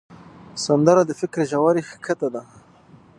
سندره د فکر ژوره ښکته ده